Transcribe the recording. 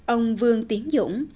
ông vương tiến dũng